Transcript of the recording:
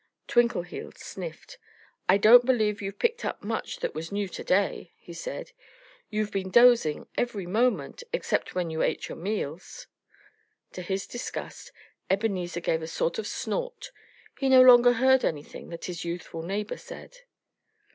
Twinkleheels sniffed. "I don't believe you've picked up much that was new to day," he said. "You've been dozing every moment, except when you ate your meals." To his great disgust, Ebenezer gave a sort of snort. He no longer heard anything that his youthful neighbor said.